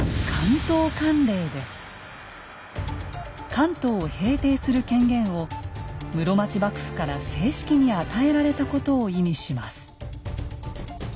関東を平定する権限を室町幕府から正式に与えられたことを意味します。